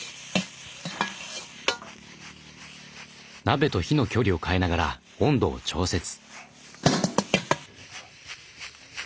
鍋と火の距離を変えながら温度を調節。